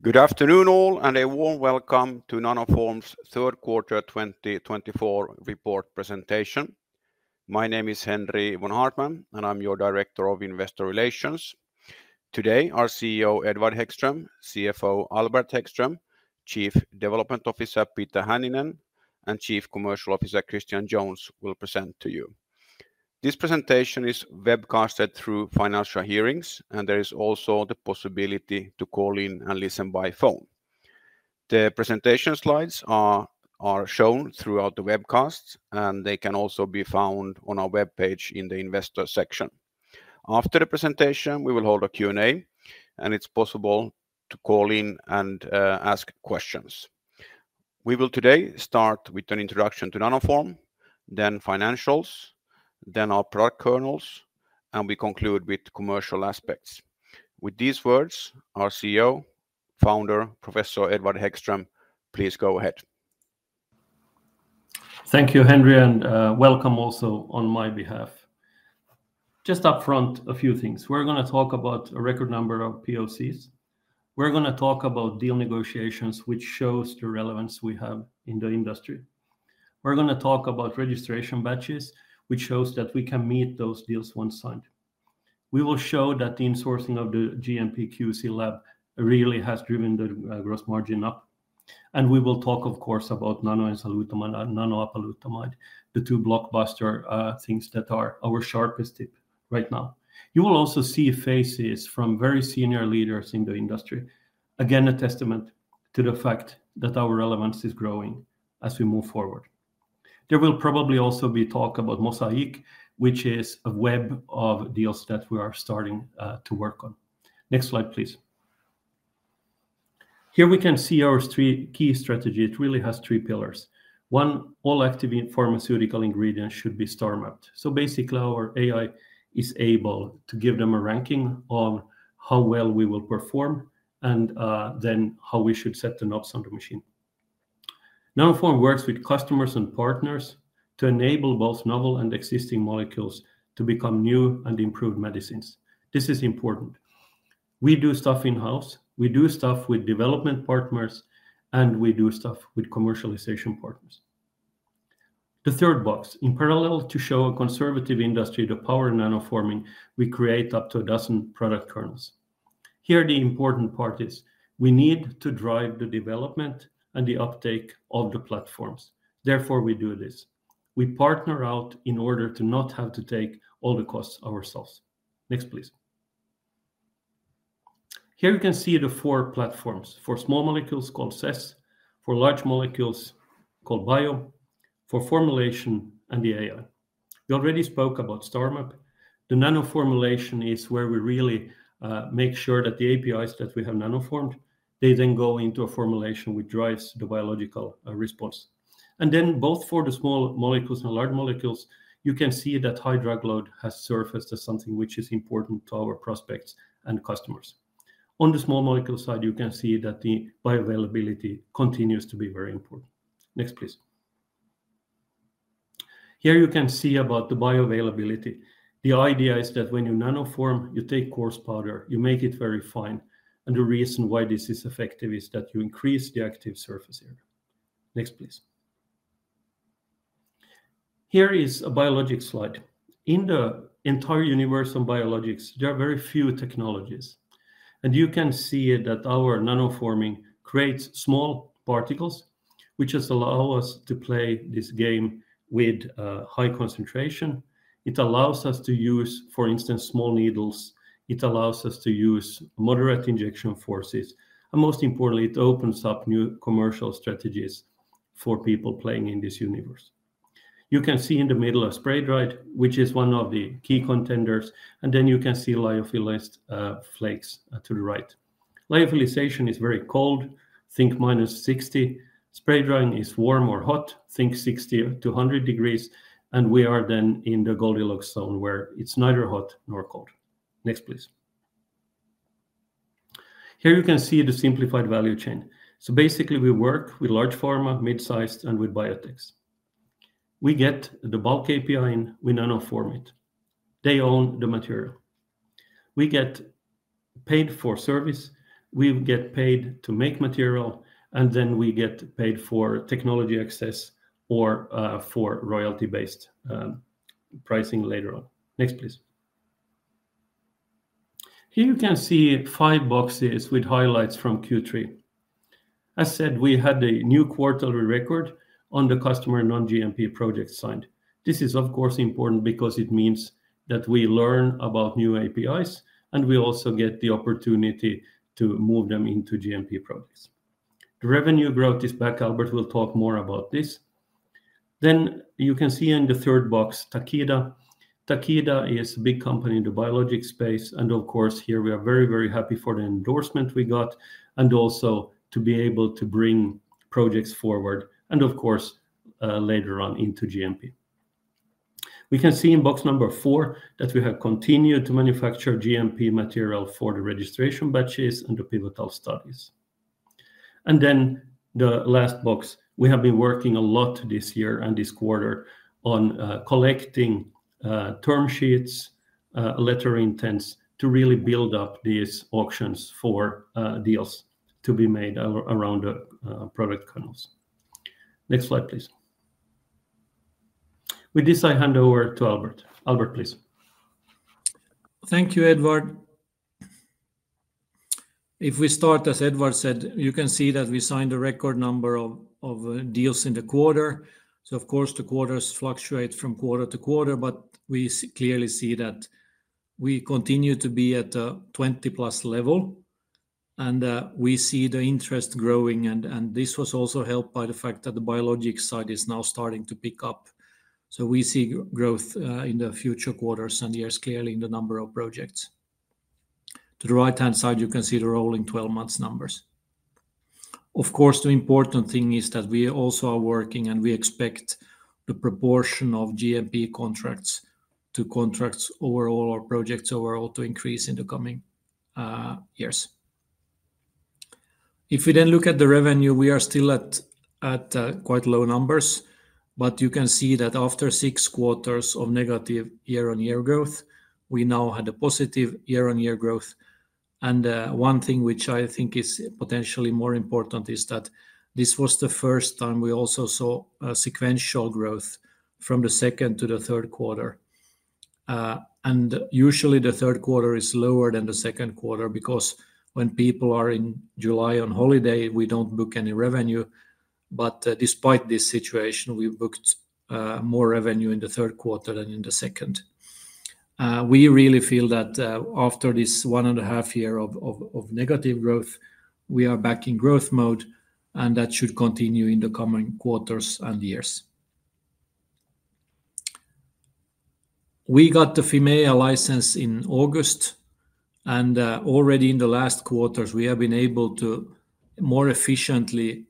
Good afternoon all, and a warm welcome to Nanoform's third quarter 2024 report presentation. My name is Henri von Haartman, and I'm your Director of Investor Relations. Today, our CEO, Edward Hæggström, CFO, Albert Hæggström, Chief Development Officer, Peter Hänninen, and Chief Commercial Officer, Christian Jones, will present to you. This presentation is webcasted through Financial Hearings, and there is also the possibility to call in and listen by phone. The presentation slides are shown throughout the webcast, and they can also be found on our web page in the Investor section. After the presentation, we will hold a Q&A, and it's possible to call in and ask questions. We will today start with an introduction to Nanoform, then financials, then our product pipeline, and we conclude with commercial aspects. With these words, our CEO, founder, Professor Edward Hæggström, please go ahead. Thank you, Henri, and welcome also on my behalf. Just upfront, a few things. We're going to talk about a record number of POCs. We're going to talk about deal negotiations, which shows the relevance we have in the industry. We're going to talk about registration batches, which shows that we can meet those deals once signed. We will show that the insourcing of the GMP QC lab really has driven the gross margin up. And we will talk, of course, about nanoenzalutamide and nanoapalutamide, the two blockbuster things that are our sharpest tip right now. You will also see faces from very senior leaders in the industry, again, a testament to the fact that our relevance is growing as we move forward. There will probably also be talk about Mosaic, which is a web of deals that we are starting to work on. Next slide, please. Here we can see our three key strategies. It really has three pillars. One, all active pharmaceutical ingredients should be star-mapped. So basically, our AI is able to give them a ranking of how well we will perform and then how we should set the knobs on the machine. Nanoform works with customers and partners to enable both novel and existing molecules to become new and improved medicines. This is important. We do stuff in-house. We do stuff with development partners, and we do stuff with commercialization partners. The third box, in parallel to show a conservative industry the power of nanoforming, we create up to a dozen product candidates. Here, the important part is we need to drive the development and the uptake of the platforms. Therefore, we do this. We partner out in order to not have to take all the costs ourselves. Next, please. Here you can see the four platforms for small molecules called CESS, for large molecules called BIO, for formulation, and the AI. We already spoke about star-mapping. The nanoformulation is where we really make sure that the APIs that we have nanoformed, they then go into a formulation which drives the biological response. And then both for the small molecules and large molecules, you can see that high drug load has surfaced as something which is important to our prospects and customers. On the small molecule side, you can see that the bioavailability continues to be very important. Next, please. Here you can see about the bioavailability. The idea is that when you nanoform, you take coarse powder, you make it very fine, and the reason why this is effective is that you increase the active surface area. Next, please. Here is a biologics slide. In the entire universe of biologics, there are very few technologies, and you can see that our nanoforming creates small particles, which allow us to play this game with high concentration. It allows us to use, for instance, small needles. It allows us to use moderate injection forces. And most importantly, it opens up new commercial strategies for people playing in this universe. You can see in the middle a spray-dried, which is one of the key contenders, and then you can see lyophilized flakes to the right. Lyophilization is very cold. Think -60 degrees Celsius. Spray drying is warm or hot. Think 60-100 degrees Celsius, and we are then in the Goldilocks zone where it's neither hot nor cold. Next, please. Here you can see the simplified value chain. So basically, we work with large pharma, mid-sized, and with biotechs. We get the bulk API in. We nanoform it. They own the material. We get paid for service. We get paid to make material, and then we get paid for technology access or for royalty-based pricing later on. Next, please. Here you can see five boxes with highlights from Q3. As said, we had a new quarterly record on the customer non-GMP projects signed. This is, of course, important because it means that we learn about new APIs, and we also get the opportunity to move them into GMP projects. The revenue growth is back. Albert will talk more about this. Then you can see in the third box, Takeda. Takeda is a big company in the biologics space, and of course, here we are very, very happy for the endorsement we got and also to be able to bring projects forward and, of course, later on into GMP. We can see in box number four that we have continued to manufacture GMP material for the registration batches and the pivotal studies. And then the last box, we have been working a lot this year and this quarter on collecting term sheets, letters of intent to really build up these auctions for deals to be made around the product kernels. Next slide, please. With this, I hand over to Albert. Albert, please. Thank you, Edward. If we start, as Edward said, you can see that we signed a record number of deals in the quarter. So, of course, the quarters fluctuate from quarter to quarter, but we clearly see that we continue to be at a 20+ level, and we see the interest growing, and this was also helped by the fact that the biologics side is now starting to pick up. So we see growth in the future quarters and years clearly in the number of projects. To the right-hand side, you can see the rolling 12-month numbers. Of course, the important thing is that we also are working, and we expect the proportion of GMP contracts to contracts overall or projects overall to increase in the coming years. If we then look at the revenue, we are still at quite low numbers, but you can see that after six quarters of negative year-on-year growth, we now had a positive year-on-year growth. And one thing which I think is potentially more important is that this was the first time we also saw sequential growth from the second to the third quarter. And usually, the third quarter is lower than the second quarter because when people are in July on holiday, we don't book any revenue. But despite this situation, we booked more revenue in the third quarter than in the second. We really feel that after this one and a half year of negative growth, we are back in growth mode, and that should continue in the coming quarters and years. We got the EMA license in August, and already in the last quarters, we have been able to more efficiently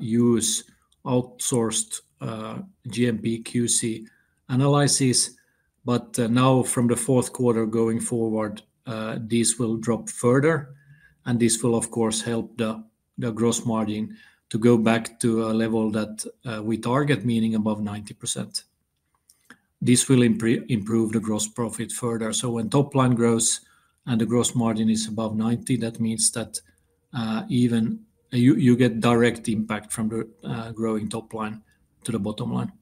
use outsourced GMP QC analyses. But now, from the fourth quarter going forward, this will drop further, and this will, of course, help the gross margin to go back to a level that we target, meaning above 90%. This will improve the gross profit further. So when top line grows and the gross margin is above 90%, that means that even you get direct impact from the growing top line to the bottom line.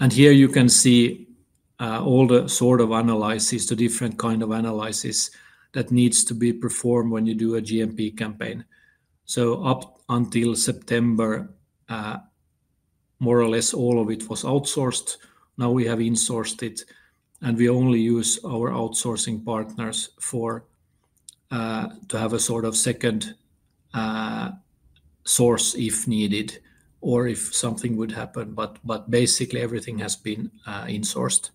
And here you can see all the sort of analysis, the different kind of analysis that needs to be performed when you do a GMP campaign. So up until September, more or less, all of it was outsourced. Now we have insourced it, and we only use our outsourcing partners to have a sort of second source if needed or if something would happen, but basically everything has been insourced.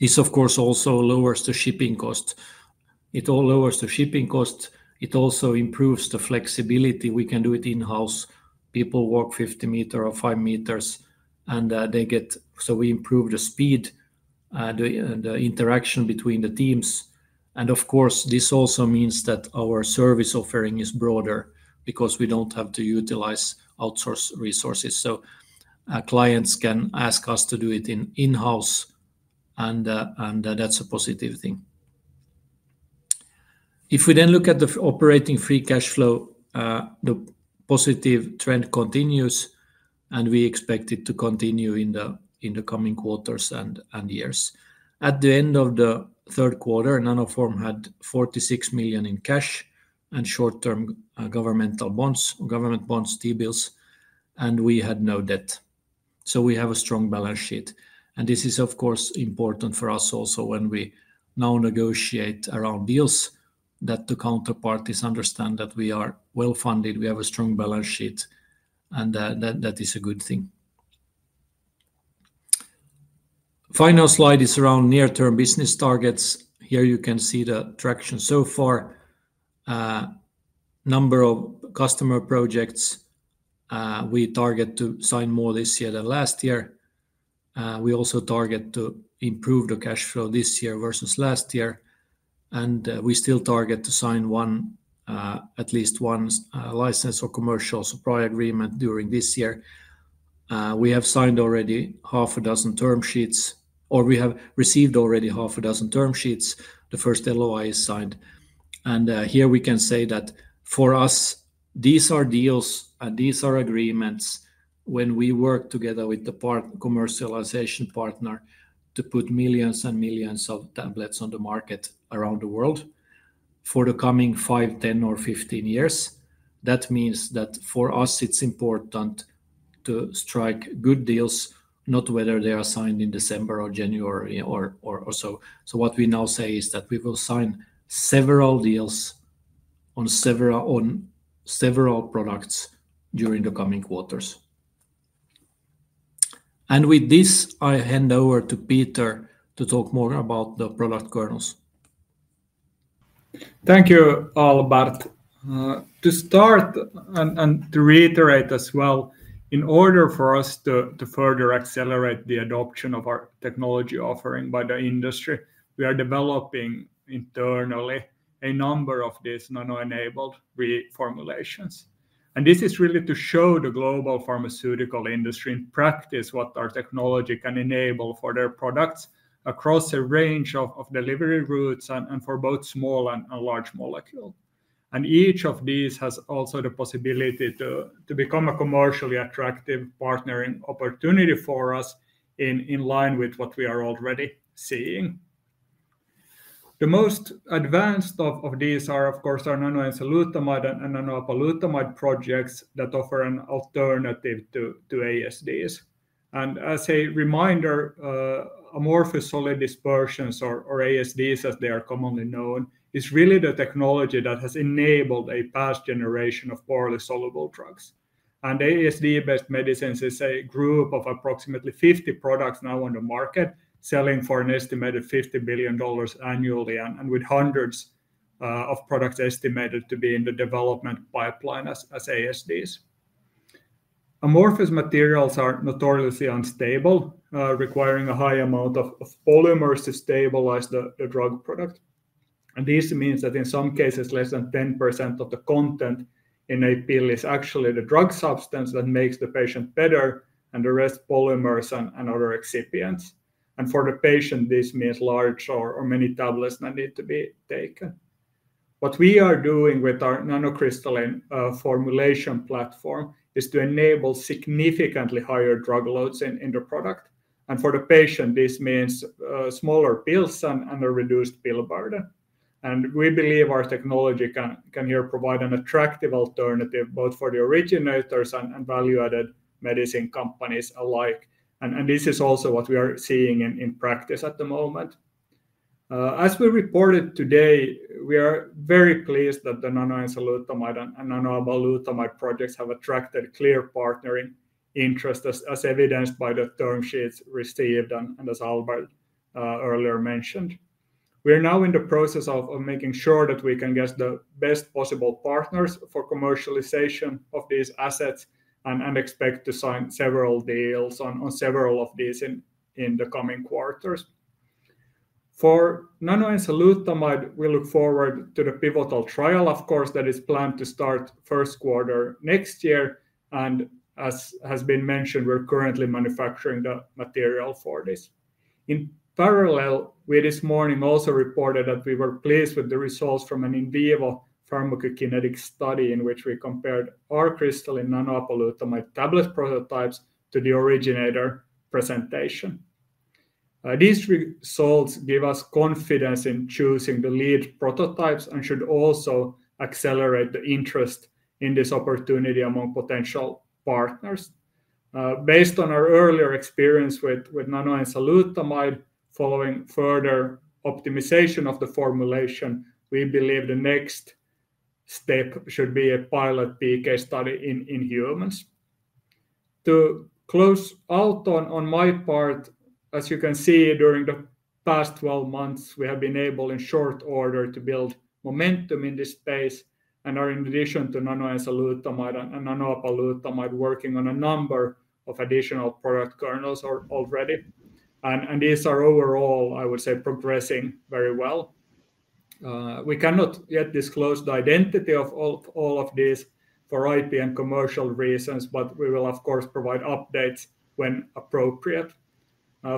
This, of course, also lowers the shipping cost. It all lowers the shipping cost. It also improves the flexibility. We can do it in-house. People walk 50 meters or five meters, and they get so we improve the speed and the interaction between the teams, and of course, this also means that our service offering is broader because we don't have to utilize outsourced resources. So clients can ask us to do it in-house, and that's a positive thing. If we then look at the operating free cash flow, the positive trend continues, and we expect it to continue in the coming quarters and years. At the end of the third quarter, Nanoform had 46 million in cash and short-term government bonds, T-bills, and we had no debt, so we have a strong balance sheet, and this is, of course, important for us also when we now negotiate around deals that the counterparties understand that we are well funded, we have a strong balance sheet, and that is a good thing. Final slide is around near-term business targets. Here you can see the traction so far, number of customer projects. We target to sign more this year than last year. We also target to improve the cash flow this year versus last year, and we still target to sign at least one license or commercial supply agreement during this year. We have signed already half a dozen term sheets, or we have received already half a dozen term sheets. The first LOI is signed. Here we can say that for us, these are deals and these are agreements when we work together with the commercialization partner to put millions and millions of tablets on the market around the world for the coming five, 10, or 15 years. That means that for us, it's important to strike good deals, not whether they are signed in December or January or so. So what we now say is that we will sign several deals on several products during the coming quarters. With this, I hand over to Peter to talk more about the product pipeline. Thank you, Albert. To start and to reiterate as well, in order for us to further accelerate the adoption of our technology offering by the industry, we are developing internally a number of these nano-enabled reformulations, and this is really to show the global pharmaceutical industry in practice what our technology can enable for their products across a range of delivery routes and for both small and large molecules, and each of these has also the possibility to become a commercially attractive partnering opportunity for us in line with what we are already seeing. The most advanced of these are, of course, our nanoenzalutamide and nanoapalutamide projects that offer an alternative to ASDs, and as a reminder, amorphous solid dispersions or ASDs, as they are commonly known, is really the technology that has enabled a past generation of poorly soluble drugs. ASD-based medicines is a group of approximately 50 products now on the market, selling for an estimated $50 billion annually and with hundreds of products estimated to be in the development pipeline as ASDs. Amorphous materials are notoriously unstable, requiring a high amount of polymers to stabilize the drug product, and this means that in some cases, less than 10% of the content in a pill is actually the drug substance that makes the patient better, and the rest polymers and other excipients, and for the patient, this means large or many tablets that need to be taken. What we are doing with our nanocrystalline formulation platform is to enable significantly higher drug loads in the product, and for the patient, this means smaller pills and a reduced pill burden. We believe our technology can here provide an attractive alternative both for the originators and value-added medicine companies alike. And this is also what we are seeing in practice at the moment. As we reported today, we are very pleased that the nanoenzalutamide and nanoapalutamide projects have attracted clear partnering interest, as evidenced by the term sheets received and as Albert earlier mentioned. We are now in the process of making sure that we can get the best possible partners for commercialization of these assets and expect to sign several deals on several of these in the coming quarters. For nanoenzalutamide, we look forward to the pivotal trial, of course, that is planned to start first quarter next year. And as has been mentioned, we're currently manufacturing the material for this. In parallel, we this morning also reported that we were pleased with the results from an in vivo pharmacokinetic study in which we compared our crystalline nanoapalutamide tablet prototypes to the originator presentation. These results give us confidence in choosing the lead prototypes and should also accelerate the interest in this opportunity among potential partners. Based on our earlier experience with nanoenzalutamide, following further optimization of the formulation, we believe the next step should be a pilot PK study in humans. To close out on my part, as you can see, during the past 12 months, we have been able in short order to build momentum in this space and are, in addition to nanoenzalutamide and nanoapalutamide, working on a number of additional product candidates already, and these are overall, I would say, progressing very well. We cannot yet disclose the identity of all of these for IP and commercial reasons, but we will, of course, provide updates when appropriate.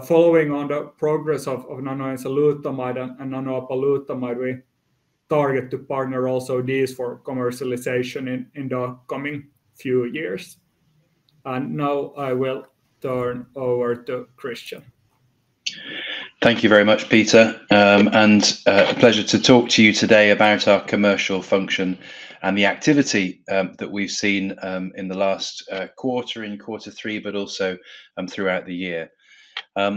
Following on the progress of nanoenzalutamide and nanoapalutamide, we target to partner also these for commercialization in the coming few years, and now I will turn over to Christian. Thank you very much, Peter, and a pleasure to talk to you today about our commercial function and the activity that we've seen in the last quarter, in quarter three, but also throughout the year. We're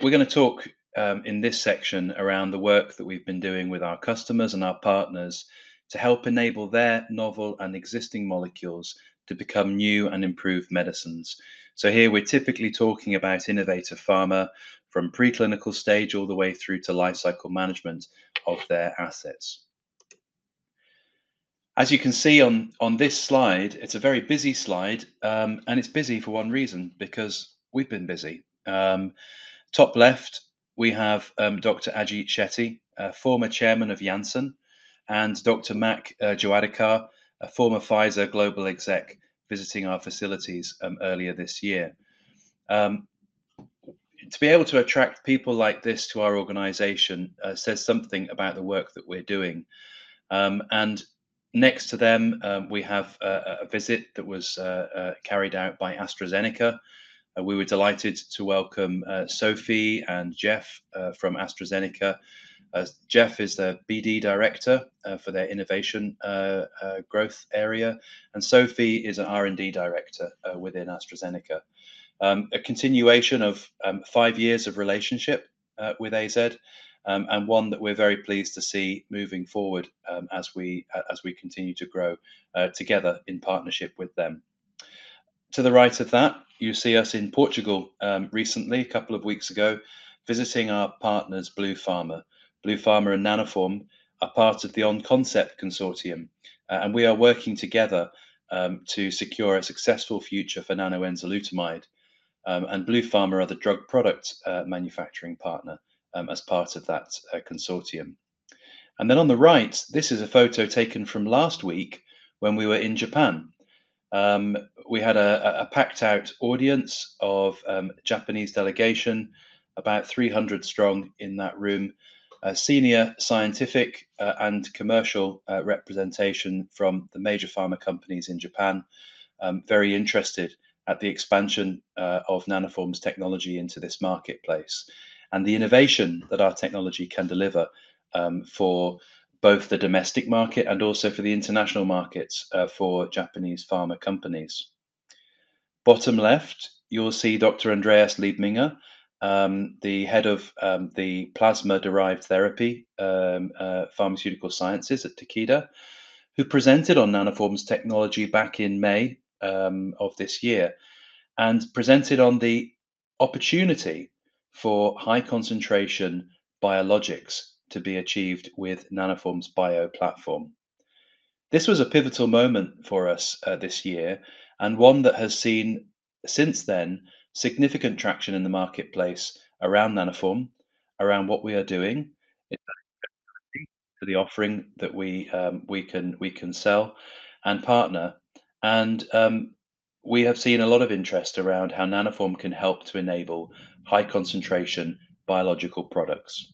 going to talk in this section around the work that we've been doing with our customers and our partners to help enable their novel and existing molecules to become new and improved medicines. So here we're typically talking about innovative pharma from preclinical stage all the way through to life cycle management of their assets. As you can see on this slide, it's a very busy slide, and it's busy for one reason, because we've been busy. Top left, we have Dr. Ajit Shetty, former Chairman of Janssen, and Dr. Mak Jawadekar, a former Pfizer global exec, visiting our facilities earlier this year. To be able to attract people like this to our organization says something about the work that we're doing, and next to them, we have a visit that was carried out by AstraZeneca. We were delighted to welcome Sophie and Jeff from AstraZeneca. Jeff is the BD Director for their innovation growth area, and Sophie is an R&D Director within AstraZeneca, a continuation of five years of relationship with AZ and one that we're very pleased to see moving forward as we continue to grow together in partnership with them. To the right of that, you see us in Portugal recently, a couple of weeks ago, visiting our partners, Bluepharma. Bluepharma and Nanoform are part of the OnConcept Consortium, and we are working together to secure a successful future for nanoenzalutamide, and Bluepharma are the drug product manufacturing partner as part of that consortium. Then on the right, this is a photo taken from last week when we were in Japan. We had a packed-out audience of Japanese delegation, about 300 strong in that room, senior scientific and commercial representation from the major pharma companies in Japan, very interested at the expansion of Nanoform's technology into this marketplace and the innovation that our technology can deliver for both the domestic market and also for the international markets for Japanese pharma companies. Bottom left, you'll see Dr. Andreas Liebminger, the Head of Plasma-Derived Therapy Pharmaceutical Sciences at Takeda, who presented on Nanoform's technology back in May of this year and presented on the opportunity for high-concentration biologics to be achieved with Nanoform's BIO platform. This was a pivotal moment for us this year and one that has seen since then significant traction in the marketplace around Nanoform, around what we are doing, to the offering that we can sell and partner, and we have seen a lot of interest around how Nanoform can help to enable high-concentration biological products,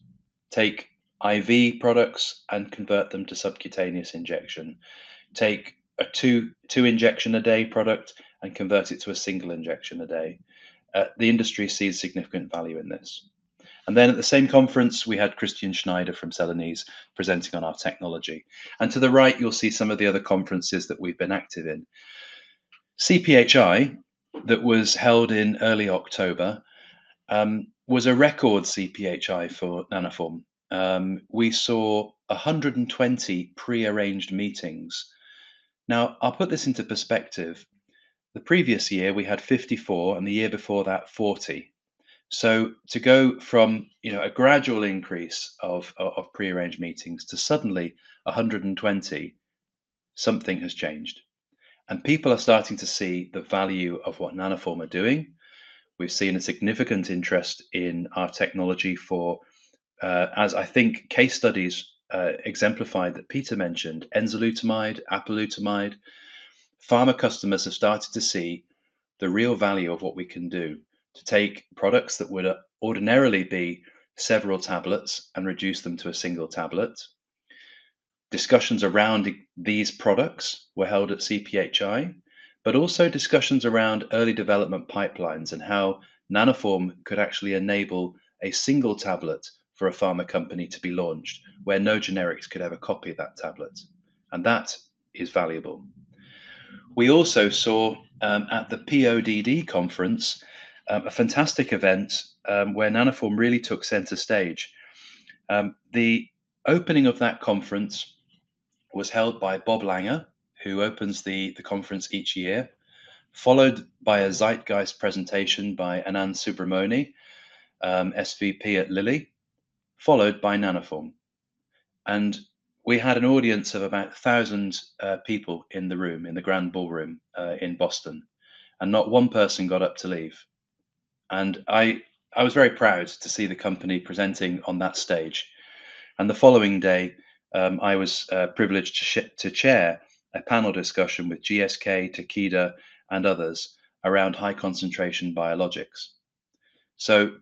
take IV products and convert them to subcutaneous injection, take a two-injection-a-day product and convert it to a single injection-a-day. The industry sees significant value in this, and then at the same conference, we had Christian Schneider from Celanese presenting on our technology, and to the right, you'll see some of the other conferences that we've been active in. CPHI that was held in early October was a record CPHI for Nanoform. We saw 120 pre-arranged meetings. Now, I'll put this into perspective. The previous year, we had 54, and the year before that, 40. So to go from a gradual increase of pre-arranged meetings to suddenly 120, something has changed. And people are starting to see the value of what Nanoform are doing. We've seen a significant interest in our technology for, as I think case studies exemplified that Peter mentioned, enzalutamide, apalutamide. Pharma customers have started to see the real value of what we can do to take products that would ordinarily be several tablets and reduce them to a single tablet. Discussions around these products were held at CPHI, but also discussions around early development pipelines and how Nanoform could actually enable a single tablet for a pharma company to be launched where no generics could have a copy of that tablet. And that is valuable. We also saw at the PODD conference a fantastic event where Nanoform really took center stage. The opening of that conference was held by Bob Langer, who opens the conference each year, followed by a Zeitgeist presentation by Anand Subramani, SVP at Lilly, followed by Nanoform, and we had an audience of about 1,000 people in the room, in the grand ballroom in Boston, and not one person got up to leave, and I was very proud to see the company presenting on that stage, and the following day, I was privileged to chair a panel discussion with GSK, Takeda, and others around high-concentration biologics, so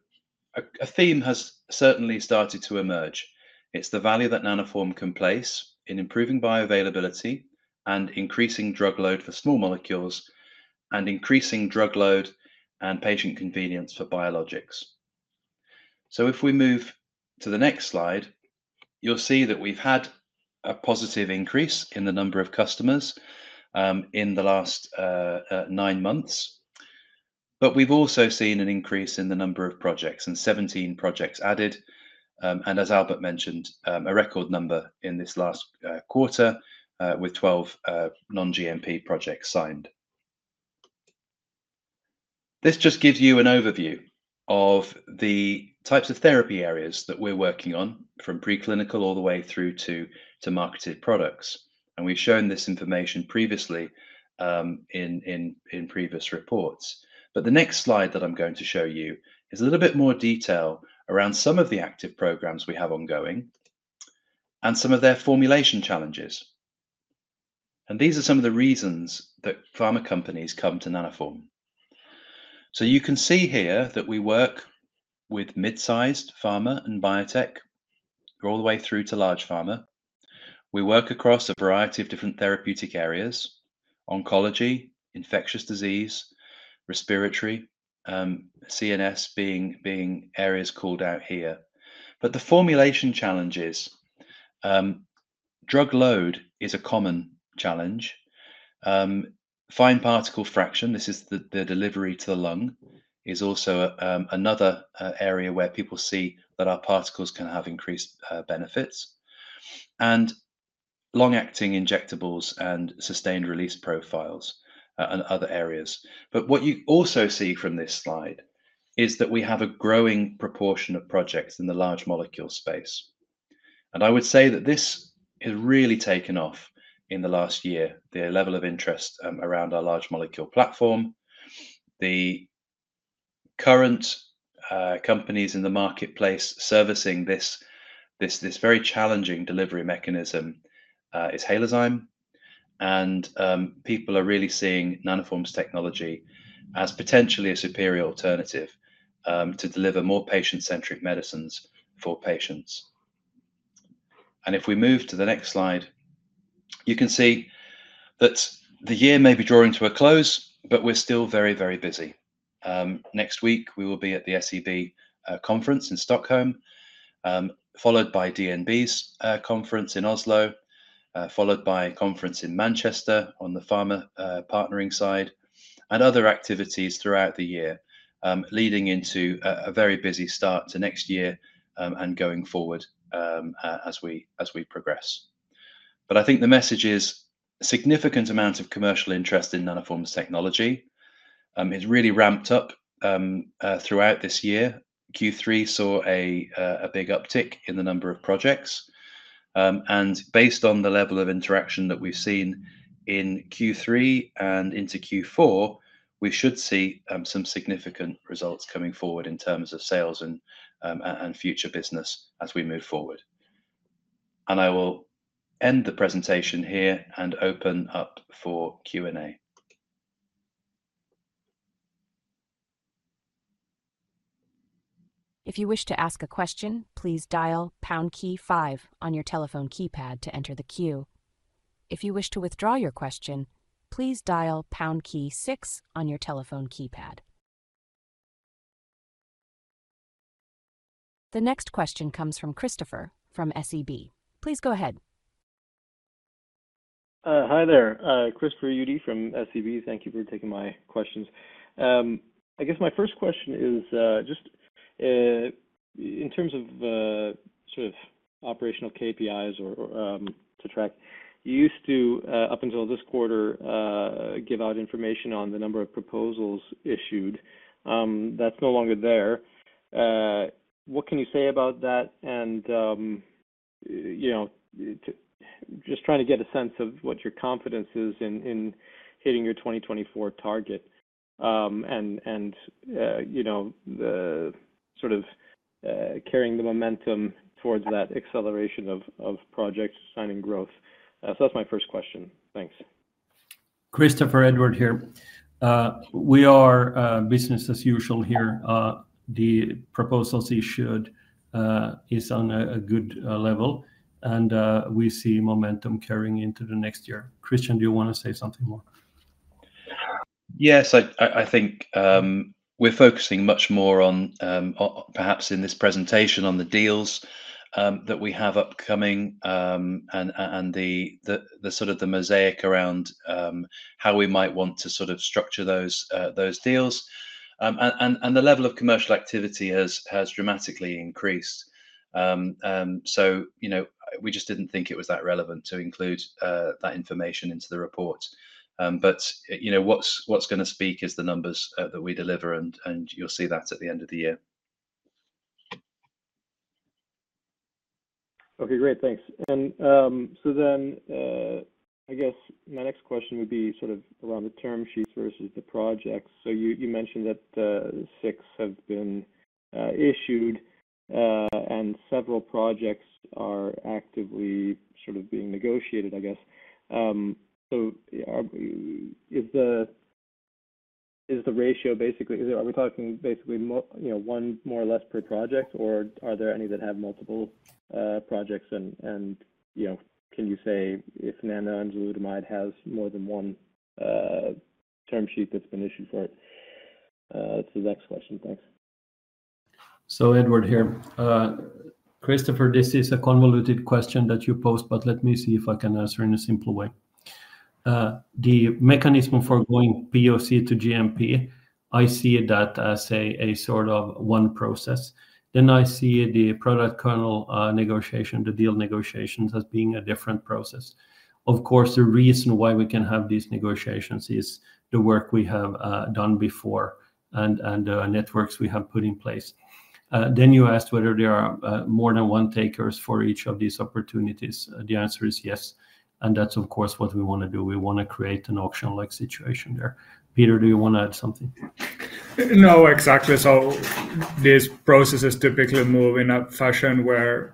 a theme has certainly started to emerge. It's the value that Nanoform can place in improving bioavailability and increasing drug load for small molecules and increasing drug load and patient convenience for biologics, so if we move to the next slide, you'll see that we've had a positive increase in the number of customers in the last nine months. But we've also seen an increase in the number of projects and 17 projects added. And as Albert mentioned, a record number in this last quarter with 12 non-GMP projects signed. This just gives you an overview of the types of therapy areas that we're working on from preclinical all the way through to marketed products. And we've shown this information previously in previous reports. But the next slide that I'm going to show you is a little bit more detail around some of the active programs we have ongoing and some of their formulation challenges. And these are some of the reasons that pharma companies come to Nanoform. So you can see here that we work with mid-sized pharma and biotech all the way through to large pharma. We work across a variety of different therapeutic areas, oncology, infectious disease, respiratory, CNS being areas called out here. But the formulation challenges, drug load, is a common challenge. Fine particle fraction, this is the delivery to the lung, is also another area where people see that our particles can have increased benefits, and long-acting injectables and sustained-release profiles and other areas, but what you also see from this slide is that we have a growing proportion of projects in the large molecule space, and I would say that this has really taken off in the last year, the level of interest around our large molecule platform. The current companies in the marketplace servicing this very challenging delivery mechanism is Halozyme, and people are really seeing Nanoform's technology as potentially a superior alternative to deliver more patient-centric medicines for patients, and if we move to the next slide, you can see that the year may be drawing to a close, but we're still very, very busy. Next week, we will be at the SEB conference in Stockholm, followed by DNB's conference in Oslo, followed by a conference in Manchester on the pharma partnering side, and other activities throughout the year leading into a very busy start to next year and going forward as we progress, but I think the message is a significant amount of commercial interest in Nanoform's technology has really ramped up throughout this year. Q3 saw a big uptick in the number of projects, and based on the level of interaction that we've seen in Q3 and into Q4, we should see some significant results coming forward in terms of sales and future business as we move forward, and I will end the presentation here and open up for Q&A. If you wish to ask a question, please dial pound key five on your telephone keypad to enter the queue. If you wish to withdraw your question, please dial pound key six on your telephone keypad. The next question comes from Christopher from SEB. Please go ahead. Hi there. Christopher Uhde from SEB. Thank you for taking my questions. I guess my first question is just in terms of sort of operational KPIs to track. You used to, up until this quarter, give out information on the number of proposals issued. That's no longer there. What can you say about that, and just trying to get a sense of what your confidence is in hitting your 2024 target and sort of carrying the momentum towards that acceleration of project signing growth, so that's my first question. Thanks. Christopher, Edward here. We are business as usual here. The proposals issued are on a good level, and we see momentum carrying into the next year. Christian, do you want to say something more? Yes, I think we're focusing much more on, perhaps in this presentation, on the deals that we have upcoming and the sort of mosaic around how we might want to sort of structure those deals. And the level of commercial activity has dramatically increased. So we just didn't think it was that relevant to include that information into the report. But what's going to speak is the numbers that we deliver, and you'll see that at the end of the year. Okay, great. Thanks. And so then I guess my next question would be sort of around the term sheets versus the projects. So you mentioned that six have been issued and several projects are actively sort of being negotiated, I guess. So is the ratio basically are we talking basically one more or less per project, or are there any that have multiple projects? And can you say if nanoenzalutamide has more than one term sheet that's been issued for it? That's the next question. Thanks. Edward here. Christopher, this is a convoluted question that you posed, but let me see if I can answer in a simple way. The mechanism for going POC to GMP, I see that as a sort of one process. Then I see the product kernel negotiation, the deal negotiations as being a different process. Of course, the reason why we can have these negotiations is the work we have done before and the networks we have put in place. Then you asked whether there are more than one takers for each of these opportunities. The answer is yes. And that's, of course, what we want to do. We want to create an auction-like situation there. Peter, do you want to add something? No, exactly. So this process is typically moving in a fashion where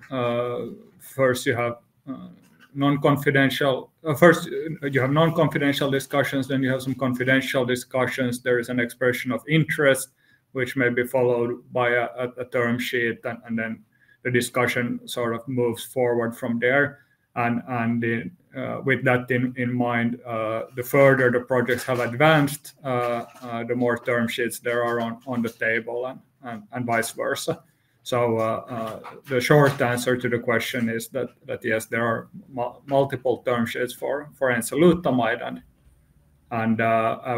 first you have non-confidential discussions, then you have some confidential discussions. There is an expression of interest, which may be followed by a term sheet, and then the discussion sort of moves forward from there. And with that in mind, the further the projects have advanced, the more term sheets there are on the table and vice versa. So the short answer to the question is that yes, there are multiple term sheets for enzalutamide, and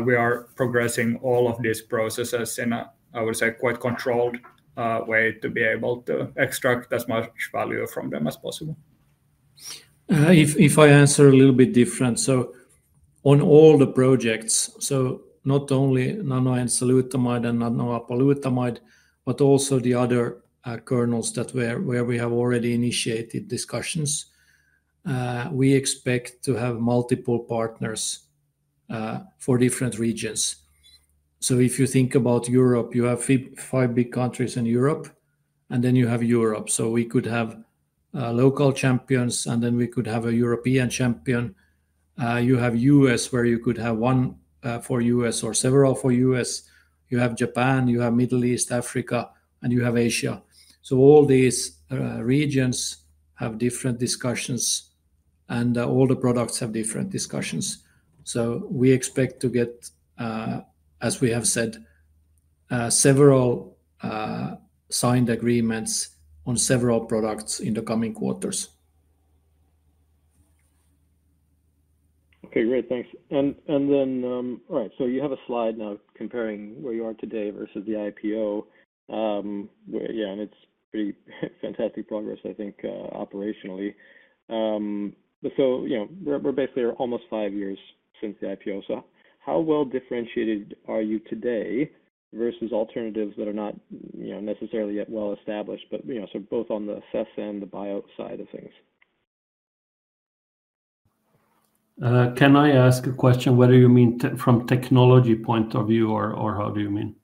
we are progressing all of these processes in a, I would say, quite controlled way to be able to extract as much value from them as possible. If I answer a little bit different. So on all the projects, so not only nanoenzalutamide and nanoapalutamide, but also the other kernels that where we have already initiated discussions, we expect to have multiple partners for different regions. So if you think about Europe, you have five big countries in Europe, and then you have Europe. So we could have local champions, and then we could have a European champion. You have U.S., where you could have one for U.S. or several for U.S. You have Japan, you have Middle East, Africa, and you have Asia. So all these regions have different discussions, and all the products have different discussions. So we expect to get, as we have said, several signed agreements on several products in the coming quarters. Okay, great. Thanks. And then, all right, so you have a slide now comparing where you are today versus the IPO. Yeah, and it's pretty fantastic progress, I think, operationally. So we're basically almost five years since the IPO. So how well differentiated are you today versus alternatives that are not necessarily yet well established, but sort of both on the CESS and the BIO side of things? Can I ask a question? What do you mean from technology point of view, or how do you mean?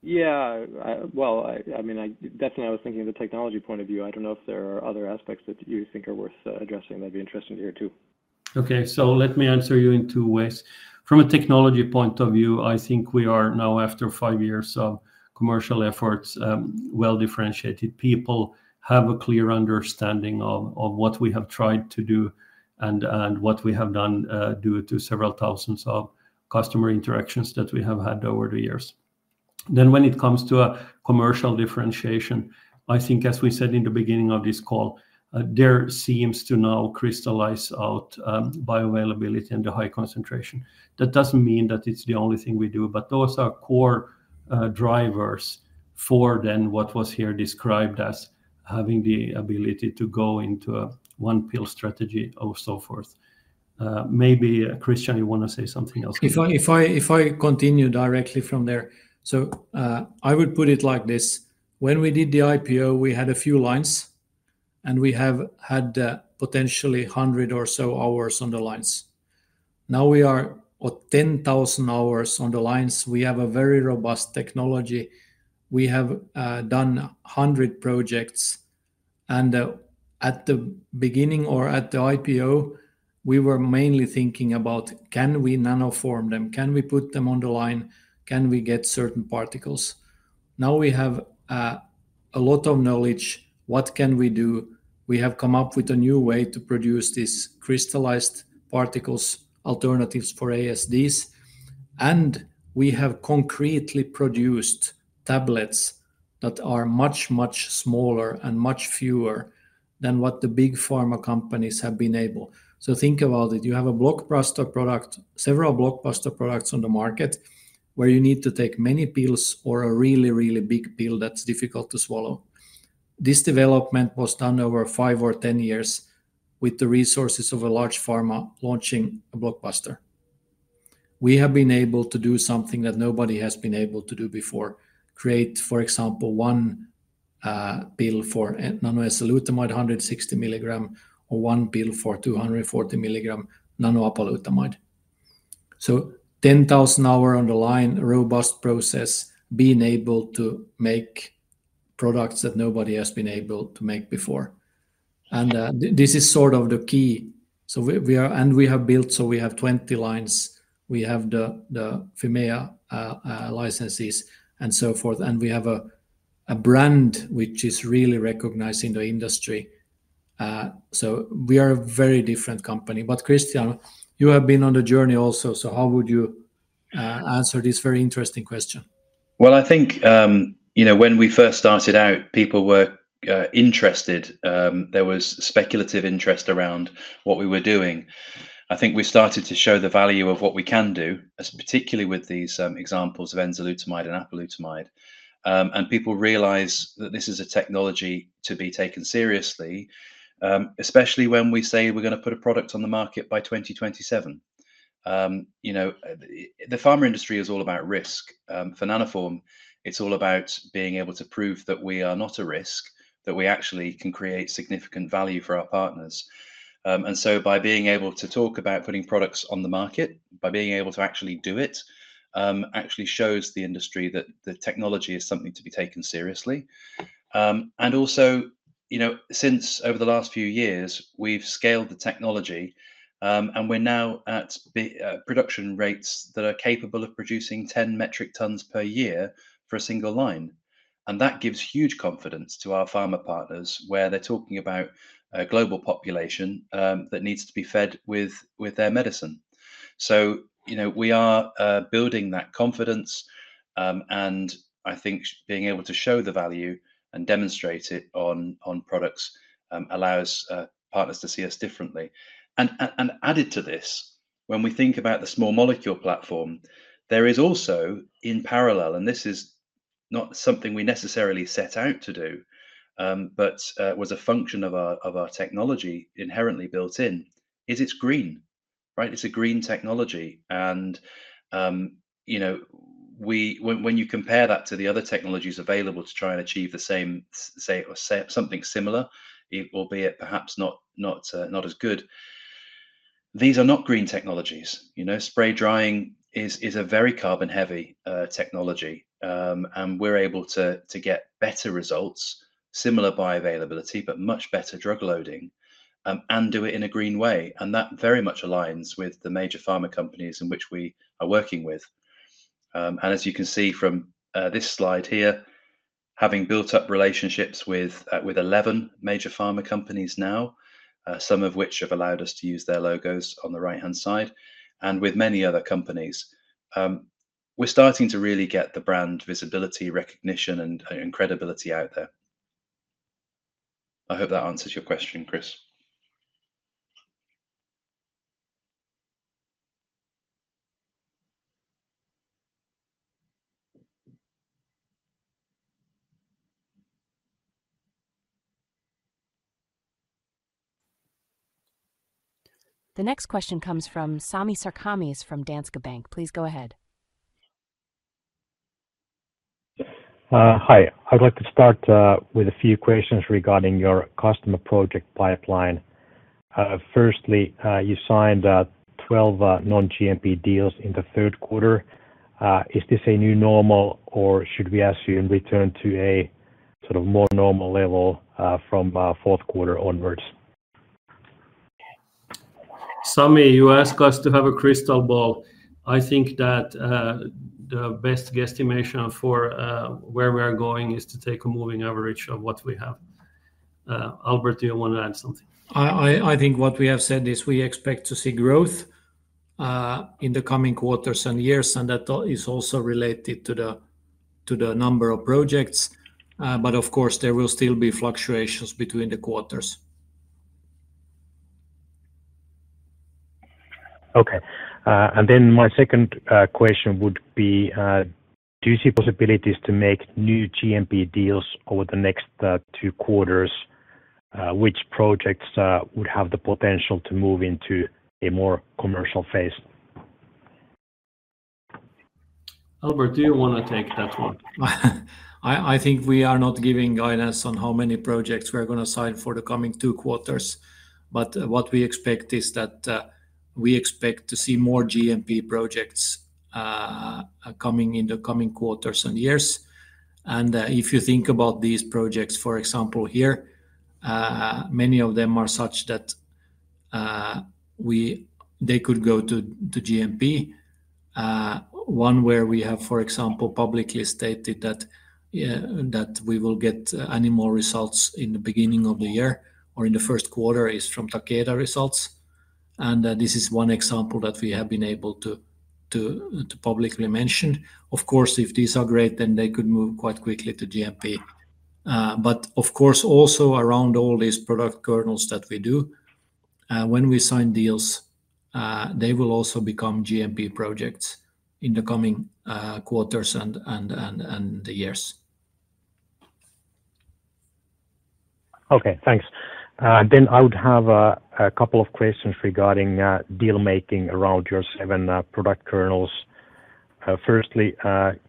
Yeah. Well, I mean, definitely I was thinking of the technology point of view. I don't know if there are other aspects that you think are worth addressing that'd be interesting to hear too. Okay. So let me answer you in two ways. From a technology point of view, I think we are now, after five years of commercial efforts, well differentiated. People have a clear understanding of what we have tried to do and what we have done due to several thousands of customer interactions that we have had over the years. Then when it comes to commercial differentiation, I think, as we said in the beginning of this call, there seems to now crystallize out bioavailability and the high concentration. That doesn't mean that it's the only thing we do, but those are core drivers for then what was here described as having the ability to go into a one-pill strategy or so forth. Maybe Christian, you want to say something else? If I continue directly from there, so I would put it like this. When we did the IPO, we had a few lines, and we have had potentially 100 or so hours on the lines. Now we are at 10,000 hours on the lines. We have a very robust technology. We have done 100 projects and at the beginning or at the IPO, we were mainly thinking about, can we nanoform them? Can we put them on the line? Can we get certain particles? Now we have a lot of knowledge. What can we do? We have come up with a new way to produce these crystallized particles, alternatives for ASDs, and we have concretely produced tablets that are much, much smaller and much fewer than what the big pharma companies have been able. So think about it. You have a blockbuster product, several blockbuster products on the market, where you need to take many pills or a really, really big pill that's difficult to swallow. This development was done over five or 10 years with the resources of a large pharma launching a blockbuster. We have been able to do something that nobody has been able to do before: create, for example, one pill for nanoenzalutamide, 160 milligram, or one pill for 240 milligram nanoapalutamide. So 10,000 hours on the line, robust process, being able to make products that nobody has been able to make before. And this is sort of the key. And we have built, so we have 20 lines. We have the Fimea licenses and so forth. And we have a brand which is really recognized in the industry. So we are a very different company. But Christian, you have been on the journey also, so how would you answer this very interesting question? I think when we first started out, people were interested. There was speculative interest around what we were doing. I think we started to show the value of what we can do, particularly with these examples of enzalutamide and apalutamide. People realize that this is a technology to be taken seriously, especially when we say we're going to put a product on the market by 2027. The pharma industry is all about risk. For Nanoform, it's all about being able to prove that we are not a risk, that we actually can create significant value for our partners. So by being able to talk about putting products on the market, by being able to actually do it, actually shows the industry that the technology is something to be taken seriously. And also, since over the last few years, we've scaled the technology, and we're now at production rates that are capable of producing 10 metric tons per year for a single line. And that gives huge confidence to our pharma partners where they're talking about a global population that needs to be fed with their medicine. So we are building that confidence, and I think being able to show the value and demonstrate it on products allows partners to see us differently. And added to this, when we think about the small molecule platform, there is also in parallel, and this is not something we necessarily set out to do, but was a function of our technology inherently built in, is it's green, right? It's a green technology. When you compare that to the other technologies available to try and achieve the same, say, something similar, albeit perhaps not as good, these are not green technologies. Spray drying is a very carbon-heavy technology, and we're able to get better results, similar bioavailability, but much better drug loading, and do it in a green way. That very much aligns with the major pharma companies in which we are working with. As you can see from this slide here, having built up relationships with 11 major pharma companies now, some of which have allowed us to use their logos on the right-hand side, and with many other companies, we're starting to really get the brand visibility, recognition, and credibility out there. I hope that answers your question, Chris. The next question comes from Sami Sarkamies from Danske Bank. Please go ahead. Hi. I'd like to start with a few questions regarding your customer project pipeline. Firstly, you signed 12 non-GMP deals in the third quarter. Is this a new normal, or should we assume return to a sort of more normal level from fourth quarter onwards? Sami, you asked us to have a crystal ball. I think that the best guesstimation for where we are going is to take a moving average of what we have. Albert, do you want to add something? I think what we have said is we expect to see growth in the coming quarters and years, and that is also related to the number of projects. But of course, there will still be fluctuations between the quarters. Okay. And then my second question would be, do you see possibilities to make new GMP deals over the next two quarters? Which projects would have the potential to move into a more commercial phase? Albert, do you want to take that one? I think we are not giving guidance on how many projects we're going to sign for the coming two quarters, but what we expect is that we expect to see more GMP projects coming in the coming quarters and years, and if you think about these projects, for example, here, many of them are such that they could go to GMP. One where we have, for example, publicly stated that we will get animal results in the beginning of the year or in the first quarter is from Takeda results, and this is one example that we have been able to publicly mention. Of course, if these are great, then they could move quite quickly to GMP, but of course, also around all these product kernels that we do, when we sign deals, they will also become GMP projects in the coming quarters and the years. Okay. Thanks. Then I would have a couple of questions regarding deal-making around your seven product kernels. Firstly,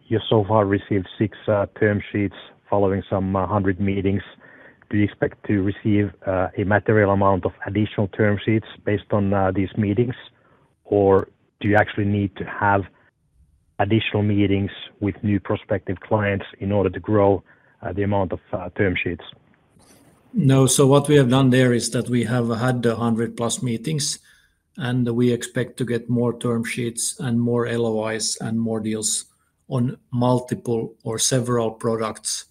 you so far received six term sheets following some 100 meetings. Do you expect to receive a material amount of additional term sheets based on these meetings, or do you actually need to have additional meetings with new prospective clients in order to grow the amount of term sheets? No. So what we have done there is that we have had 100+ meetings, and we expect to get more term sheets and more LOIs and more deals on multiple or several products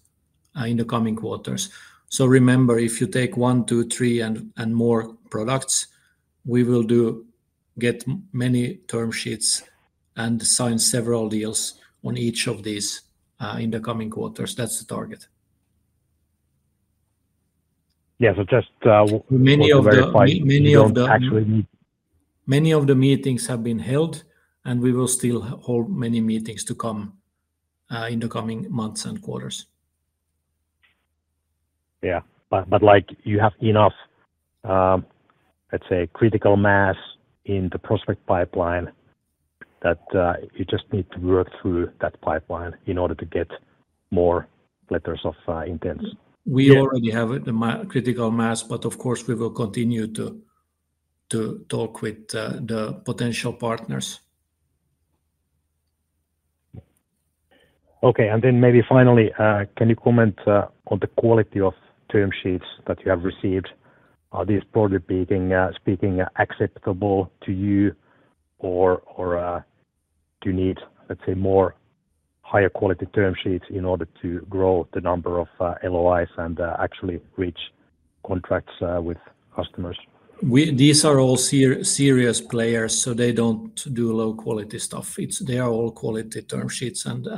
in the coming quarters. So remember, if you take one, two, three, and more products, we will get many term sheets and sign several deals on each of these in the coming quarters. That's the target. Yeah, so just to verify. Many of the. Actually. Many of the meetings have been held, and we will still hold many meetings to come in the coming months and quarters. Yeah, but you have enough, let's say, critical mass in the prospect pipeline that you just need to work through that pipeline in order to get more letters of intent. We already have the critical mass, but of course, we will continue to talk with the potential partners. Okay. And then maybe finally, can you comment on the quality of term sheets that you have received? Are these broadly speaking acceptable to you, or do you need, let's say, more higher quality term sheets in order to grow the number of LOIs and actually reach contracts with customers? These are all serious players, so they don't do low-quality stuff. They are all quality term sheets, and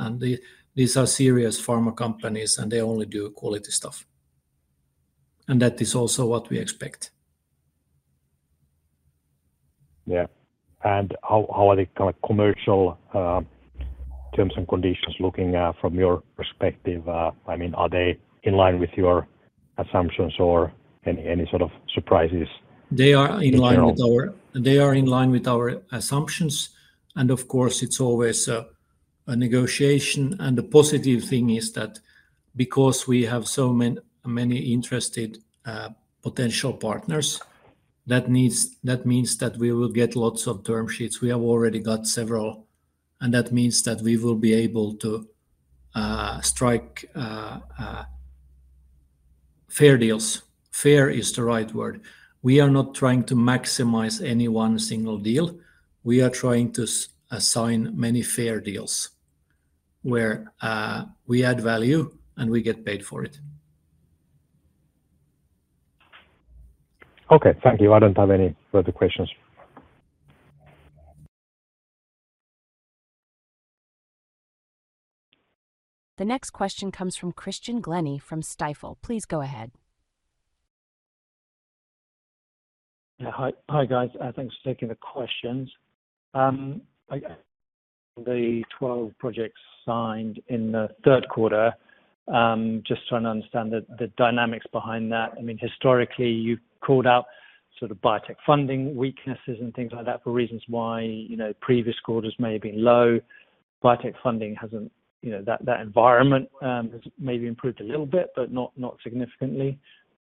these are serious pharma companies, and they only do quality stuff. And that is also what we expect. Yeah, and how are the kind of commercial terms and conditions looking from your perspective? I mean, are they in line with your assumptions or any sort of surprises? They are in line with our assumptions. And of course, it's always a negotiation. And the positive thing is that because we have so many interested potential partners, that means that we will get lots of term sheets. We have already got several, and that means that we will be able to strike fair deals. Fair is the right word. We are not trying to maximize any one single deal. We are trying to assign many fair deals where we add value and we get paid for it. Okay. Thank you. I don't have any further questions. The next question comes from Christian Glennie from Stifel. Please go ahead. Hi, guys. Thanks for taking the questions. The 12 projects signed in the third quarter, just trying to understand the dynamics behind that. I mean, historically, you called out sort of biotech funding weaknesses and things like that for reasons why previous quarters may have been low. Biotech funding hasn't. That environment has maybe improved a little bit, but not significantly.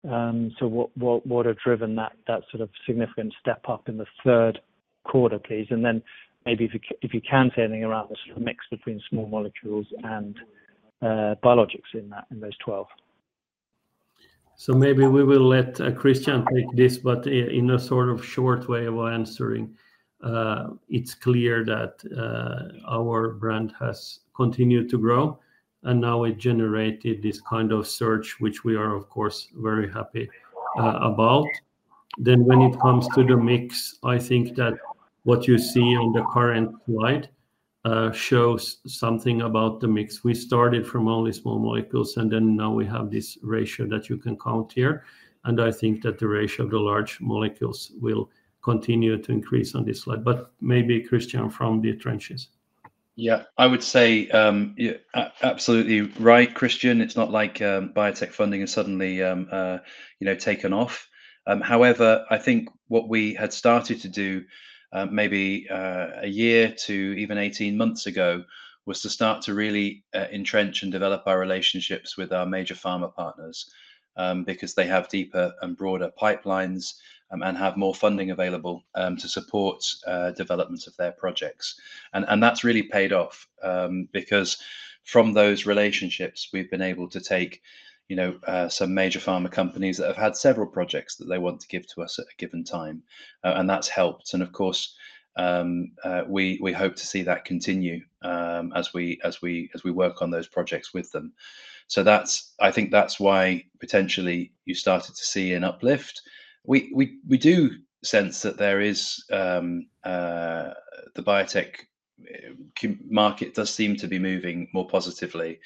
So what would have driven that sort of significant step up in the third quarter, please? And then maybe if you can say anything around the sort of mix between small molecules and biologics in those 12. So maybe we will let Christian take this, but in a sort of short way of answering. It's clear that our brand has continued to grow, and now it generated this kind of search, which we are, of course, very happy about. Then when it comes to the mix, I think that what you see on the current slide shows something about the mix. We started from only small molecules, and then now we have this ratio that you can count here. And I think that the ratio of the large molecules will continue to increase on this slide. But maybe Christian from the trenches. Yeah. I would say absolutely right, Christian. It's not like biotech funding has suddenly taken off. However, I think what we had started to do maybe a year to even 18 months ago was to start to really entrench and develop our relationships with our major pharma partners because they have deeper and broader pipelines and have more funding available to support development of their projects, and that's really paid off because from those relationships, we've been able to take some major pharma companies that have had several projects that they want to give to us at a given time, and that's helped, and of course, we hope to see that continue as we work on those projects with them, so I think that's why potentially you started to see an uplift. We do sense that the biotech market does seem to be moving more positively.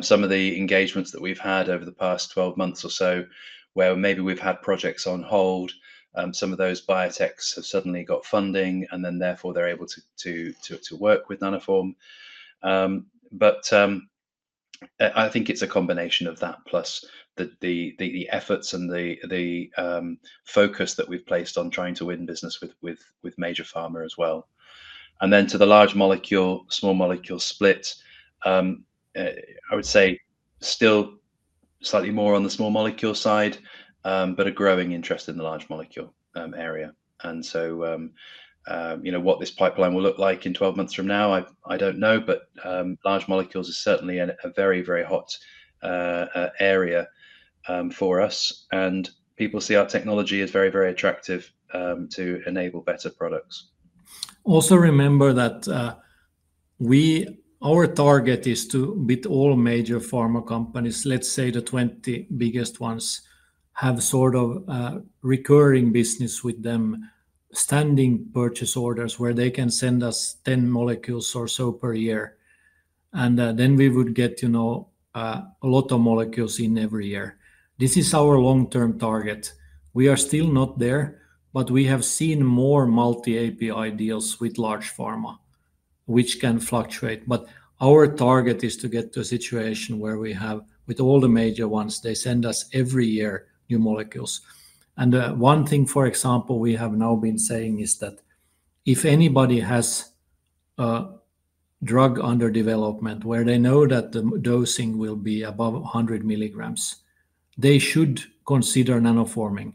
Some of the engagements that we've had over the past 12 months or so where maybe we've had projects on hold, some of those biotechs have suddenly got funding, and then therefore they're able to work with Nanoform, but I think it's a combination of that plus the efforts and the focus that we've placed on trying to win business with major pharma as well. And then to the large molecule, small molecule split, I would say still slightly more on the small molecule side, but a growing interest in the large molecule area, and so what this pipeline will look like in 12 months from now, I don't know, but large molecules is certainly a very, very hot area for us. And people see our technology as very, very attractive to enable better products. Also remember that our target is to beat all major pharma companies. Let's say the 20 biggest ones have sort of recurring business with them, standing purchase orders where they can send us 10 molecules or so per year. And then we would get a lot of molecules in every year. This is our long-term target. We are still not there, but we have seen more multi-API deals with large pharma, which can fluctuate. But our target is to get to a situation where we have, with all the major ones, they send us every year new molecules. And one thing, for example, we have now been saying is that if anybody has a drug under development where they know that the dosing will be above 100 milligrams, they should consider NanoForming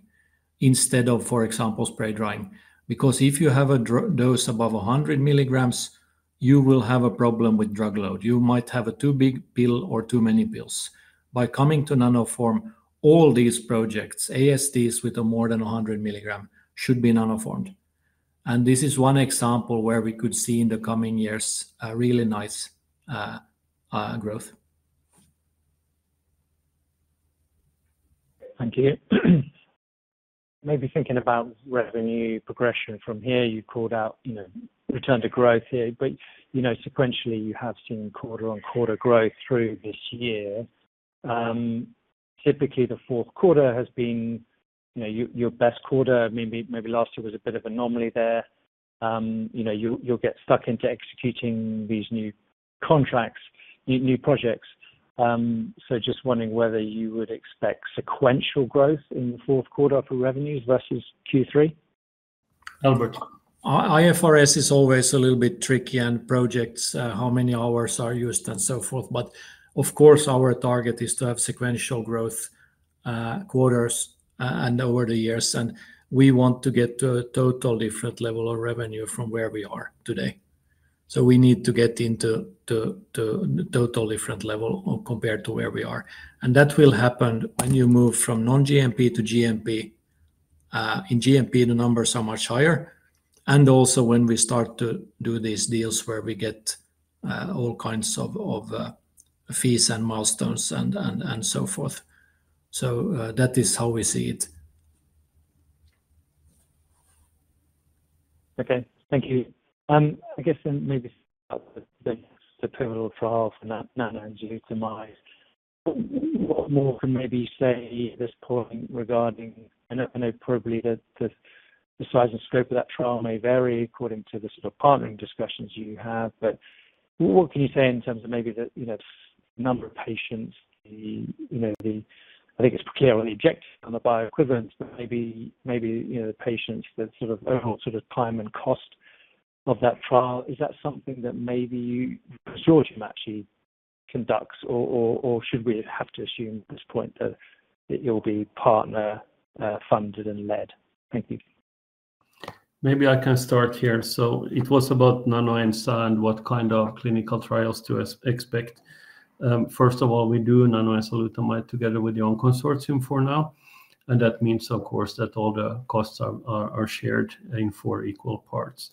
instead of, for example, spray drying. Because if you have a dose above 100 milligrams, you will have a problem with drug load. You might have a too big pill or too many pills. By coming to Nanoform, all these projects, ASDs with more than 100 milligrams, should be Nanoformed, and this is one example where we could see in the coming years a really nice growth. Thank you. Maybe thinking about revenue progression from here, you called out return to growth here. But sequentially, you have seen quarter-on-quarter growth through this year. Typically, the fourth quarter has been your best quarter. Maybe last year was a bit of an anomaly there. You'll get stuck into executing these new contracts, new projects. So just wondering whether you would expect sequential growth in the fourth quarter for revenues versus Q3? Albert, IFRS is always a little bit tricky and projects, how many hours are used and so forth. But of course, our target is to have sequential growth quarters and over the years. And we want to get to a total different level of revenue from where we are today. So we need to get into a total different level compared to where we are. And that will happen when you move from non-GMP to GMP. In GMP, the numbers are much higher. And also when we start to do these deals where we get all kinds of fees and milestones and so forth. So that is how we see it. Okay. Thank you. I guess then maybe the pivotal trial for nanoenzalutamide, what more can you say at this point regarding. I know probably the size and scope of that trial may vary according to the sort of partnering discussions you have. But what can you say in terms of maybe the number of patients? I think it's clear on the objective and the bioequivalence, but maybe the patients, the overall sort of time and cost of that trial. Is that something that maybe the consortium actually conducts, or should we have to assume at this point that it will be partner-funded and led? Thank you. Maybe I can start here. So it was about nanoenzalutamide and what kind of clinical trials to expect. First of all, we do nanoenzalutamide together with our own consortium for now. And that means, of course, that all the costs are shared in four equal parts.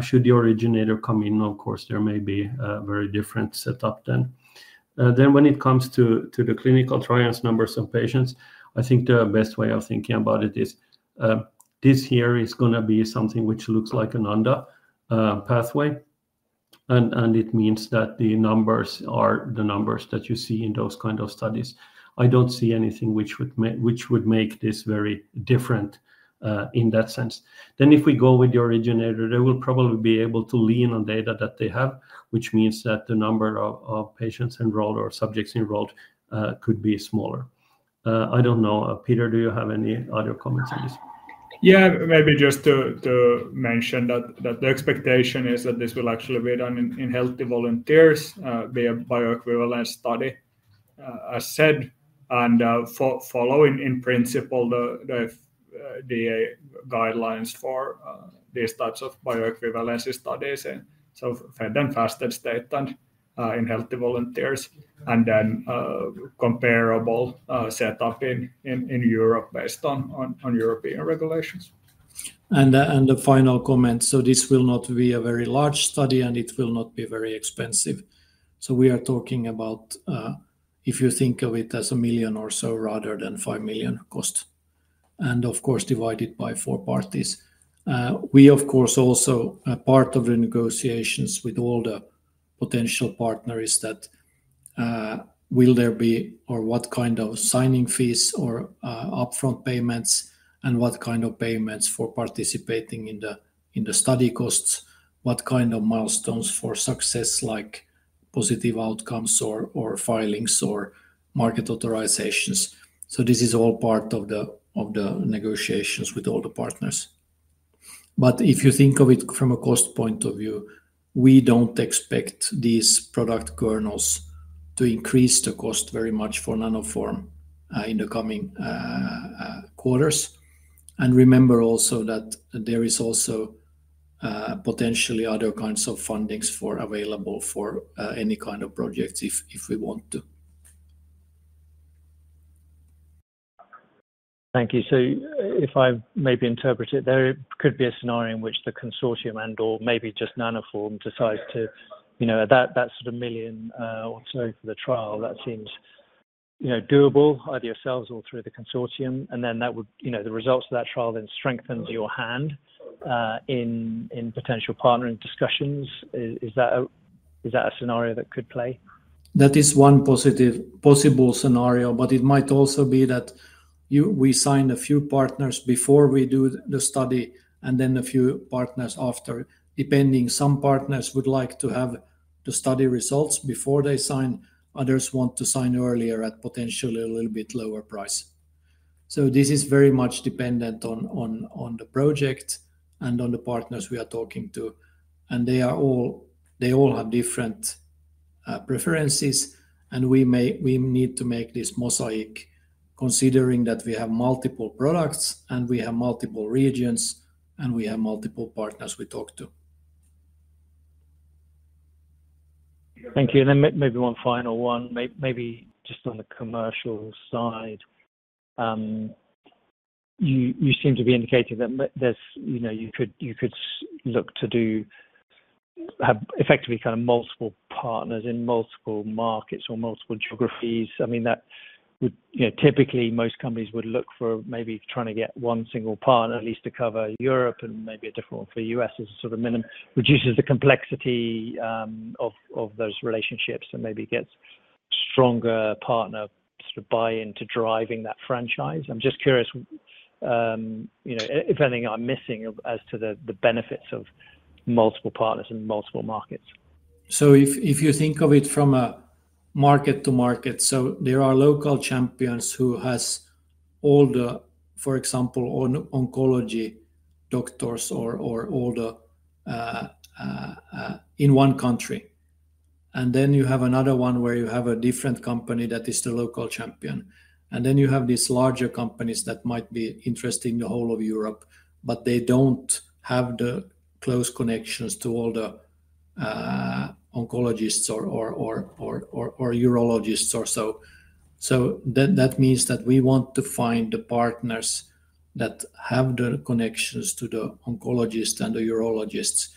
Should the originator come in, of course, there may be a very different setup then. Then when it comes to the clinical trials, numbers of patients, I think the best way of thinking about it is this year is going to be something which looks like an underpowered way. And it means that the numbers are the numbers that you see in those kind of studies. I don't see anything which would make this very different in that sense. Then if we go with the originator, they will probably be able to lean on data that they have, which means that the number of patients enrolled or subjects enrolled could be smaller. I don't know. Peter, do you have any other comments on this? Yeah. Maybe just to mention that the expectation is that this will actually be done in healthy volunteers via bioequivalent study, as said, and following in principle the guidelines for these types of bioequivalency studies, so fed and fasted state meant in healthy volunteers and then comparable setup in Europe based on European regulations. The final comment. This will not be a very large study, and it will not be very expensive. We are talking about if you think of it as 1 million or so rather than 5 million cost. Of course, divided by four parties. We, of course, also part of the negotiations with all the potential partners that will there be or what kind of signing fees or upfront payments and what kind of payments for participating in the study costs, what kind of milestones for success like positive outcomes or filings or market authorizations. This is all part of the negotiations with all the partners. But if you think of it from a cost point of view, we don't expect these product kernels to increase the cost very much for Nanoform in the coming quarters. Remember also that there is also potentially other kinds of fundings available for any kind of projects if we want to. Thank you. So if I maybe interpret it there, it could be a scenario in which the consortium and/or maybe just Nanoform decides to that sort of million or so for the trial, that seems doable either yourselves or through the consortium. And then the results of that trial then strengthens your hand in potential partnering discussions. Is that a scenario that could play? That is one possible scenario, but it might also be that we sign a few partners before we do the study and then a few partners after. Depending, some partners would like to have the study results before they sign. Others want to sign earlier at potentially a little bit lower price. So this is very much dependent on the project and on the partners we are talking to. And they all have different preferences. We need to make this mosaic considering that we have multiple products and we have multiple regions and we have multiple partners we talk to. Thank you. And then maybe one final one, maybe just on the commercial side. You seem to be indicating that you could look to have effectively kind of multiple partners in multiple markets or multiple geographies. I mean, typically, most companies would look for maybe trying to get one single partner at least to cover Europe and maybe a different one for the U.S. as a sort of minimum. It reduces the complexity of those relationships and maybe gets stronger partner sort of buy-in to driving that franchise. I'm just curious if anything I'm missing as to the benefits of multiple partners in multiple markets? If you think of it from a market-to-market, there are local champions who have all the, for example, oncology doctors or all the in one country. You have another one where you have a different company that is the local champion. You have these larger companies that might be interesting in the whole of Europe, but they don't have the close connections to all the oncologists or urologists or so. That means that we want to find the partners that have the connections to the oncologists and the urologists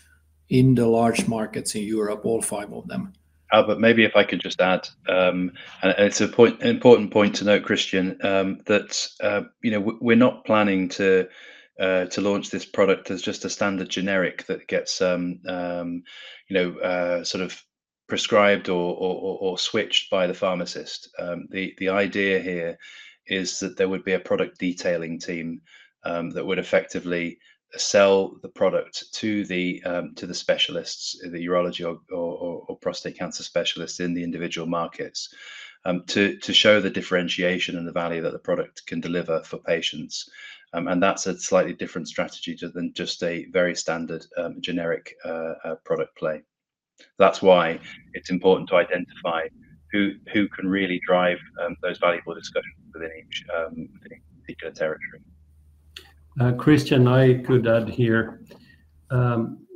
in the large markets in Europe, all five of them. But maybe if I could just add, and it's an important point to note, Christian, that we're not planning to launch this product as just a standard generic that gets sort of prescribed or switched by the pharmacist. The idea here is that there would be a product detailing team that would effectively sell the product to the specialists, the urology or prostate cancer specialists in the individual markets, to show the differentiation and the value that the product can deliver for patients. And that's a slightly different strategy than just a very standard generic product play. That's why it's important to identify who can really drive those valuable discussions within each particular territory. Christian, I could add here.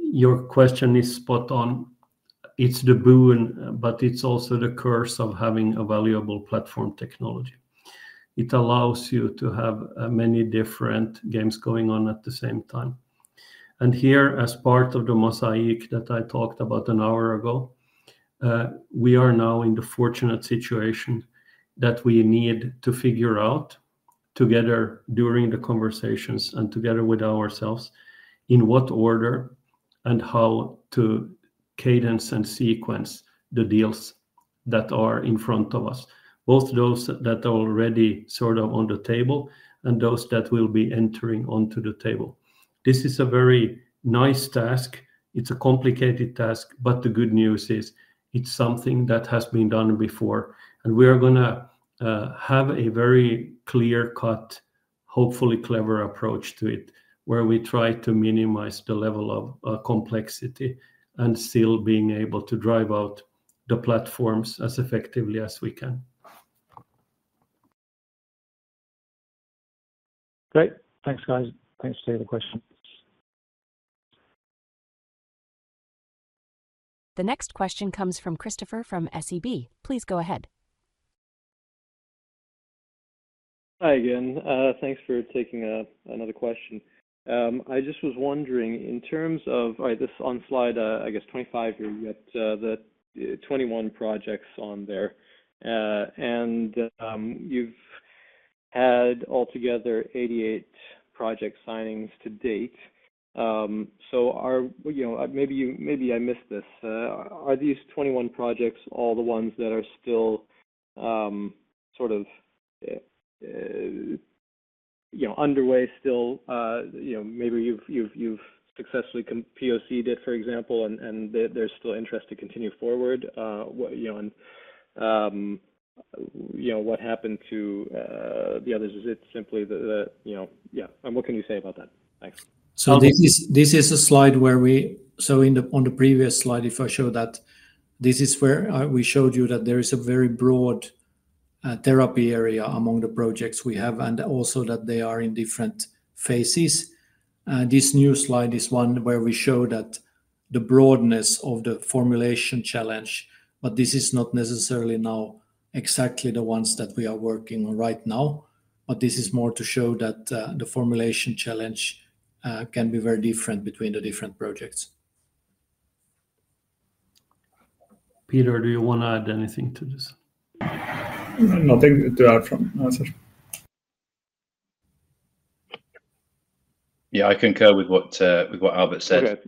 Your question is spot on. It's the boon, but it's also the curse of having a valuable platform technology. It allows you to have many different games going on at the same time, and here, as part of the mosaic that I talked about an hour ago, we are now in the fortunate situation that we need to figure out together during the conversations and together with ourselves in what order and how to cadence and sequence the deals that are in front of us, both those that are already sort of on the table and those that will be entering onto the table. This is a very nice task. It's a complicated task, but the good news is it's something that has been done before. We are going to have a very clear-cut, hopefully clever approach to it, where we try to minimize the level of complexity and still being able to drive out the platforms as effectively as we can. Great. Thanks, guys. Thanks for taking the question. The next question comes from Christopher from SEB. Please go ahead. Hi again. Thanks for taking another question. I just was wondering, in terms of this on slide, I guess 25, you got the 21 projects on there. And you've had altogether 88 project signings to date. So maybe I missed this. Are these 21 projects all the ones that are still sort of underway still? Maybe you've successfully POC'd it, for example, and there's still interest to continue forward. And what happened to the others? Is it simply the yeah. And what can you say about that? Thanks. This is a slide. On the previous slide, this is where we showed you that there is a very broad therapy area among the projects we have and also that they are in different phases. This new slide is one where we show the broadness of the formulation challenge, but this is not necessarily now exactly the ones that we are working on right now, but this is more to show that the formulation challenge can be very different between the different projects. Peter, do you want to add anything to this? Nothing to add from nanoenzalutamide. Yeah, I concur with what Albert said.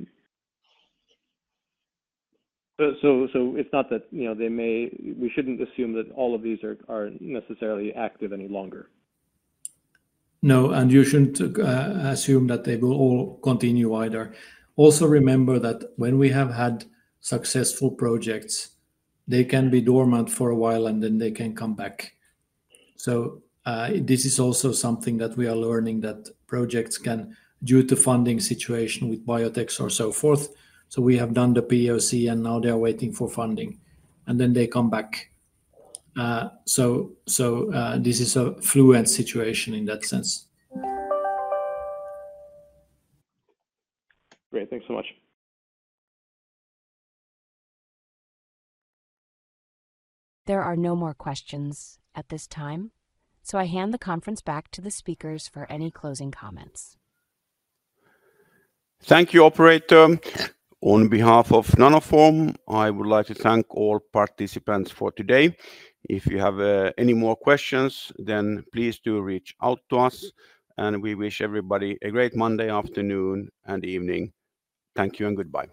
It's not that we shouldn't assume that all of these are necessarily active any longer. No, and you shouldn't assume that they will all continue either. Also remember that when we have had successful projects, they can be dormant for a while and then they can come back. So this is also something that we are learning that projects can, due to funding situation with biotechs or so forth, so we have done the POC and now they are waiting for funding. And then they come back. So this is a fluid situation in that sense. Great. Thanks so much. There are no more questions at this time. So I hand the conference back to the speakers for any closing comments. Thank you, Operator. On behalf of Nanoform, I would like to thank all participants for today. If you have any more questions, then please do reach out to us. And we wish everybody a great Monday afternoon and evening. Thank you and goodbye.